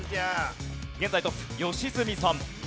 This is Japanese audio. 現在トップ良純さん。